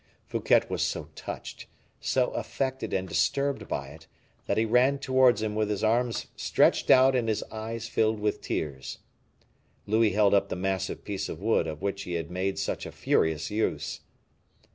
Fouquet was so touched, so affected and disturbed by it, that he ran towards him with his arms stretched out and his eyes filled with tears. Louis held up the massive piece of wood of which he had made such a furious use.